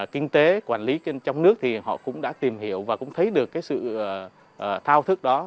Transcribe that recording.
kinh tế quản lý trong nước thì họ cũng đã tìm hiểu và cũng thấy được cái sự thao thức đó